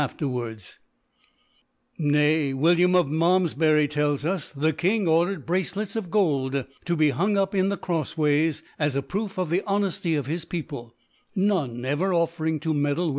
afterwards %., Nay, JViltiafkoi Malmfbury tells us, the King or dered jSracelets of Gold to be hung up' in the Crpfo Avays, as a Proof of the Honefty of his People, none ever offering to meddle v^i(h.